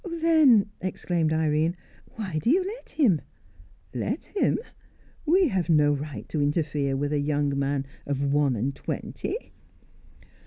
"Then," exclaimed Irene, "why do you let him?" "Let him? We have no right to interfere with a young man of one and twenty."